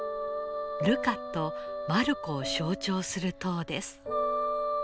ルカとマルコを象徴する塔です。